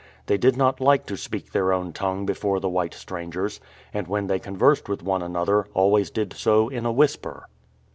They did not like to speak their own tongue before the white strangers, and when they conversed with one another always did so in a whisper.